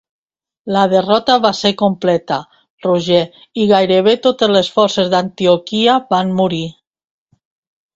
La derrota va ser completa, Roger i gairebé totes les forces d'Antioquia van morir.